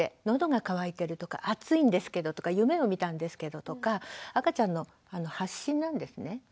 喉が渇いてるとか暑いんですけどとか夢を見たんですけどとか赤ちゃんの発信なんですね。